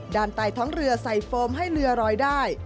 ใต้ท้องเรือใส่โฟมให้เรือลอยได้